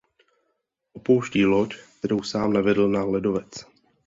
Opouští loď, kterou sám navedl na ledovec.